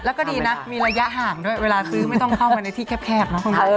แล้วก็ดีนะมีระยะห่างด้วยเวลาซื้อไม่ต้องเข้าไปในที่แคบเนอะ